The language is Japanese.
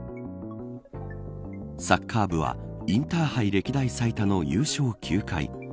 サッカー部はインターハイ歴代最多の優勝９回。